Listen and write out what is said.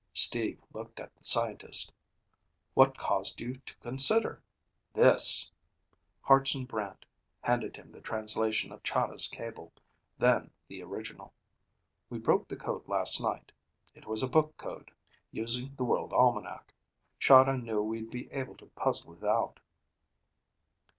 Steve looked at the scientist. "What caused you to reconsider?" "This." Hartson Brant handed him the translation of Chahda's cable, then the original. "We broke the code last night. It was a book code, using The World Almanac. Chahda knew we'd be able to puzzle it out."